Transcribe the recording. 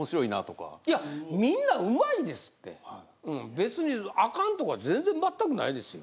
別にあかんとか全然全くないですよ。